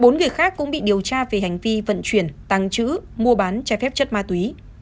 bốn người khác cũng bị điều tra về hành vi vận chuyển tăng trữ mua bán trái phép chất ma túy